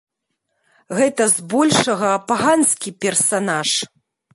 Гэта, збольшага, паганскі персанаж.